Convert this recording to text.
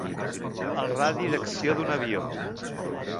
El radi d'acció d'un avió.